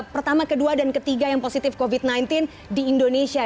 pertama kedua dan ketiga yang positif covid sembilan belas di indonesia